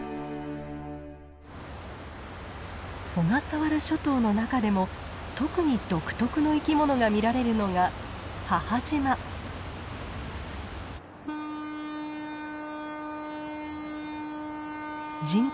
小笠原諸島の中でも特に独特の生き物が見られるのが人口